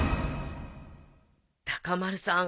高丸さん